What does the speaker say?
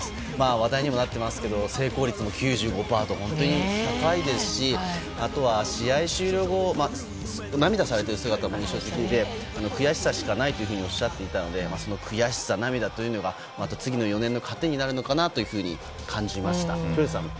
話題にもなっていますが成功率も９５％と本当に高いですしあとは、試合終了後涙されている姿も印象的で、悔しさしかないとおっしゃっていたのでその悔しさ、涙というのが次の４年後に糧になるのかなと感じました。